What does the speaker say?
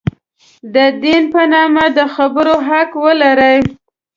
د دین په نامه د خبرو حق ولري.